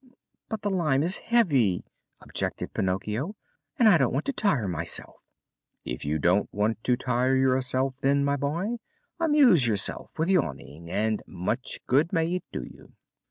"But the lime is heavy," objected Pinocchio, "and I don't want to tire myself." "If you don't want to tire yourself, then, my boy, amuse yourself with yawning, and much good may it do you."